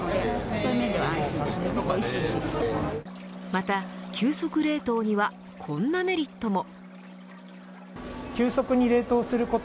また、急速冷凍にはこんなメリットも。